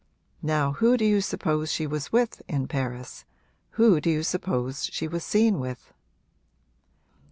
Now who do you suppose she was with, in Paris who do you suppose she was seen with?'